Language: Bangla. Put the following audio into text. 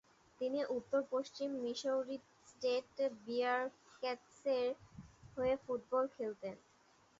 তিনি উত্তর-পশ্চিম মিসৌরি স্টেট বিয়ারক্যাটসের হয়ে ফুটবল খেলতেন।